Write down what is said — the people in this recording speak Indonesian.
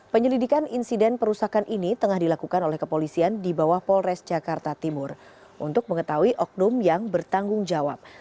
penyelidikan insiden perusahaan ini tengah dilakukan oleh kepolisian di bawah polres jakarta timur untuk mengetahui oknum yang bertanggung jawab